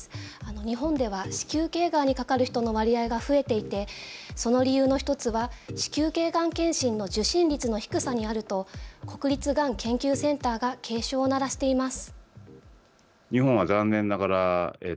日本では子宮頸がんにかかる人の割合が増えていてその理由の１つは子宮頸がん検診の受診率の低さにあると国立がん研究センターが警鐘を鳴らしています。